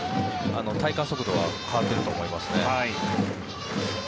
体感速度は変わっていると思いますね。